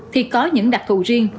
thì có những đặc thù riêng